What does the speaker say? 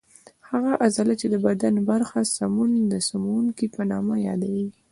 هغه عضله چې د بدن برخه سموي د سموونکې په نامه یادېږي.